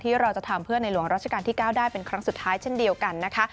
เราจะทำเพื่อในหลวงราชการที่๙ได้เป็นครั้งสุดท้ายเช่นเดียวกันนะคะ